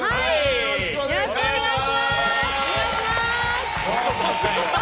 よろしくお願いします！